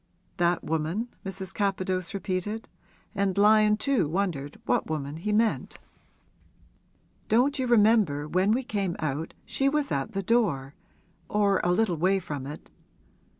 'That woman?' Mrs. Capadose repeated; and Lyon too wondered what woman he meant. 'Don't you remember when we came out, she was at the door or a little way from it?